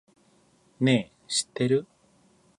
ねぇ、知ってる？